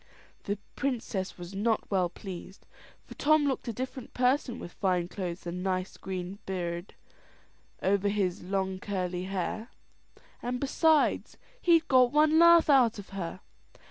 The princess was not well pleased, for Tom looked a different person with fine clothes and a nice green birredh over his long curly hair; and besides, he'd got one laugh out of her.